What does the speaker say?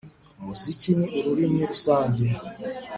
Umuziki ni ururimi rusange